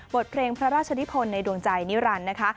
บทเพลงพระราชนิพลในดวงใจนิรันดิ์นะคะ